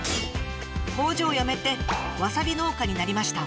工場を辞めてわさび農家になりました。